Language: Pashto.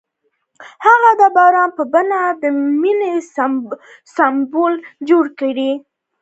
هغه د باران په بڼه د مینې سمبول جوړ کړ.